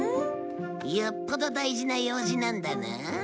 よっぽど大事な用事なんだな。